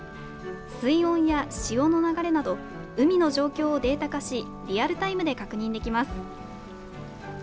水温や潮の流れなど海の状況をデータ化しリアルタイムで確認できます。